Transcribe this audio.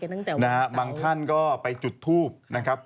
ซึ่งตอน๕โมง๔๕นะฮะทางหน่วยซิวได้มีการยุติการค้นหาที่